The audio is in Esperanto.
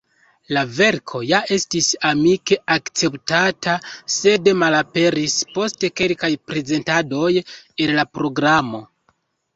La verko ja estis amike akceptata, sed malaperis post kelkaj prezentadoj el la programo.